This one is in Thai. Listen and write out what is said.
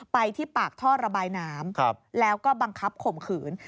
ไปที่ปากท่อระบายน้ำแล้วก็บังคับข่มขืน